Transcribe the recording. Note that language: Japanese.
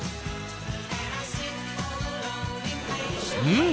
うん！